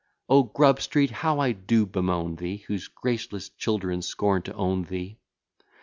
O Grub Street! how do I bemoan thee, Whose graceless children scorn to own thee!